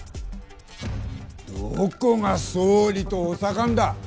どこが総理と補佐官だ。